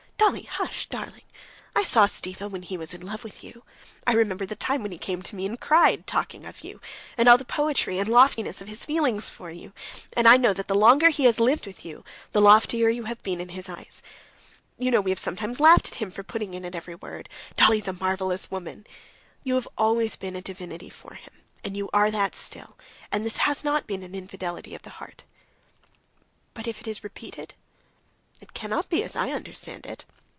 "Dolly, hush, darling. I saw Stiva when he was in love with you. I remember the time when he came to me and cried, talking of you, and all the poetry and loftiness of his feeling for you, and I know that the longer he has lived with you the loftier you have been in his eyes. You know we have sometimes laughed at him for putting in at every word: 'Dolly's a marvelous woman.' You have always been a divinity for him, and you are that still, and this has not been an infidelity of the heart...." "But if it is repeated?" "It cannot be, as I understand it...."